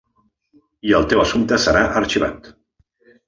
I el teu assumpte serà arxivat.